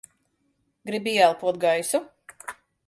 Gribi ieelpot gaisu?